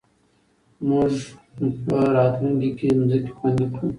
موږ به راتلونکې کې ځمکه خوندي کړو.